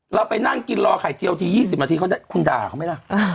เราไปนั่งกินรอไข่เจียวที๒๐นาทีเขาคุณด่าเขาไหมล่ะ